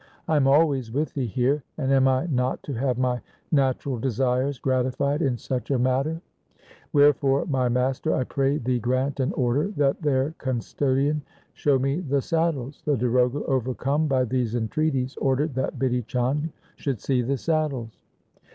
I am always with thee here, and am I not to have my natural desires gratified in such a matter ? Wherefore, my master, I pray thee grant an order that their custodian show me the saddles.' The darogha, overcome by these entreaties, ordered that Bidhi Chand should see the saddles.